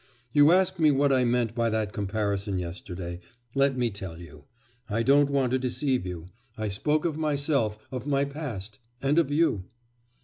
'You asked me what I meant by that comparison yesterday. Let me tell you, I don't want to deceive you. I spoke of myself, of my past, and of you.